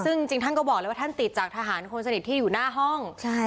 ซึ่งจริงท่านก็บอกเลยว่าท่านติดจากทหารคนสนิทที่อยู่หน้าห้อง